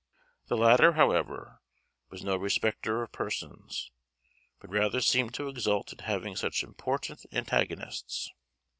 The latter, however, was no respecter of persons, but rather seemed to exult in having such important antagonists.